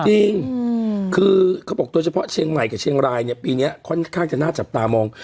จริงคือเขาบอกโดยเฉพาะเชียงใหม่กับเชียงรายเนี่ยปีนี้ค่อนข้างจะน่าจับตามอง